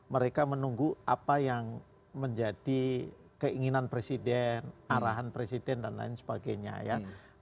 mereka menunggu apa yang menjadi keinginan presiden arahan presiden dan lain sebagainya ya